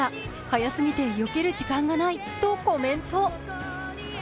速すぎてよける時間がないとコメント。